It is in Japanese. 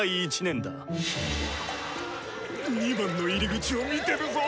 ２番の入り口を見てるぞ。